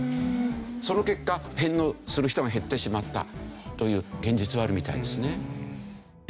その結果返納する人が減ってしまったという現実はあるみたいですね。